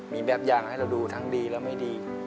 มีแบบอย่างให้เราดูทั้งดีและไม่ดี